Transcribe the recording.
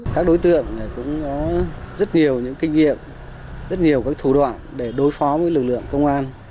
các đối tượng cũng có rất nhiều những kinh nghiệm rất nhiều các thủ đoạn để đối phó với lực lượng công an